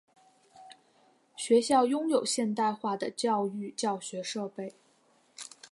学校拥有现代化的教育教学设备。